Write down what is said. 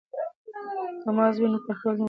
که مغز وي نو کنټرول نه ورکیږي.